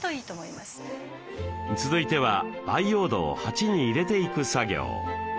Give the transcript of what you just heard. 続いては培養土を鉢に入れていく作業。